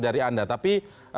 dari anda tapi